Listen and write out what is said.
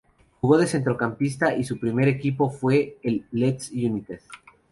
Jugó de centrocampista y su primer equipo fue el Leeds United.